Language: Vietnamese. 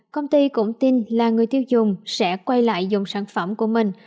công ty cũng tin là người tiêu dùng sẽ quay lại dòng sản phẩm của mình